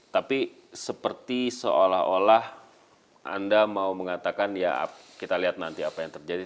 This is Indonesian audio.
tapi seperti seolah olah anda mau mengatakan ya kita lihat nanti apa yang terjadi